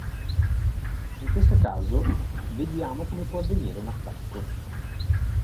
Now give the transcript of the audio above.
In questo caso, vediamo come può avvenire un attacco.